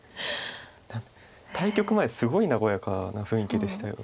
対局前すごい和やかな雰囲気でしたよね。